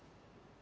あ。